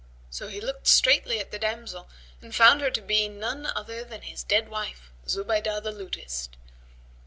So he looked straitly at the damsel and found her to be none other than his dead wife, Zubaydah the Lutist.